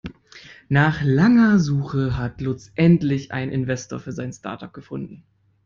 Nach langer Suche hat Lutz endlich einen Investor für sein Startup gefunden.